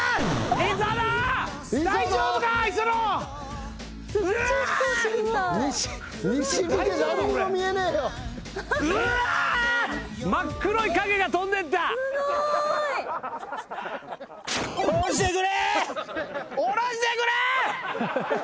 下ろしてくれ！